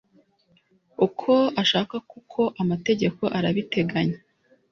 uko ashaka kuko amategeko arabiteganya